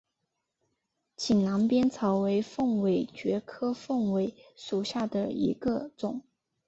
井栏边草为凤尾蕨科凤尾蕨属下的一个种。